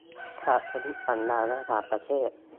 ขัดอนุสัญญาระหว่างประเทศ